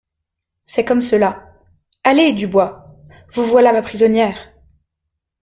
C'est comme cela. — Allez, Dubois. — Vous voilà ma prisonnière.